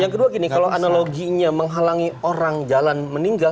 yang kedua gini kalau analoginya menghalangi orang jalan meninggal